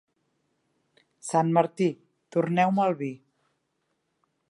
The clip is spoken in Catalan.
Sant Martí, torneu-me el vi.